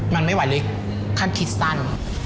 มันไม่ไหวเลยขั้นคิดสั้น